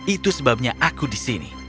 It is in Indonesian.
itu sebabnya aku disini